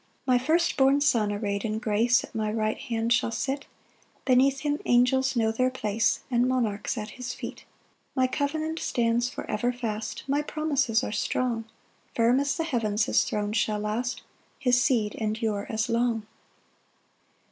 6 "My first born Son array'd in grace "At my right hand shall sit; "Beneath him angels know their place, "And monarchs at his feet. 7 "My covenant stands for ever fast, "My promises are strong; "Firm as the heavens his throne shall last, "His seed endure as long."